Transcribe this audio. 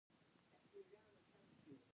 دوی د کمپیوټر پرزو په جوړولو کې ماهر دي.